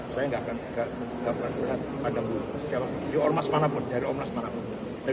saya tidak akan berpikir pada siapapun dari ormas manapun